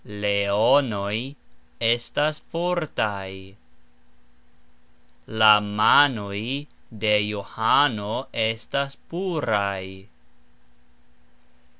Leonoj estas fortaj. La manoj de Johano estas puraj.